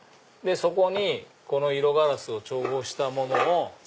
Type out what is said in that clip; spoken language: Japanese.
そこにこの色ガラスを調合したものを。